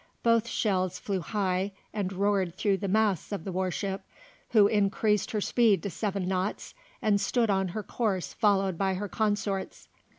Both shells flew high and roared through the masts of the warship, who increased her speed to seven knots and stood on her course followed by her consorts.